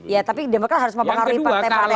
ya tapi demokrat harus memengaruhi partai partai lain